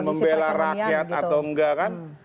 membela rakyat atau enggak kan